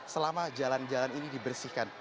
selama jalan jalan ini dibersihkan